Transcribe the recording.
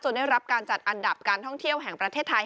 ได้รับการจัดอันดับการท่องเที่ยวแห่งประเทศไทย